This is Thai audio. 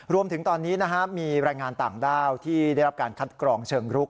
รวมถึงตอนนี้มีแรงงานต่างด้าวที่ได้รับการคัดกรองเชิงรุก